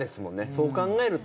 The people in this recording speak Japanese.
そう考えると。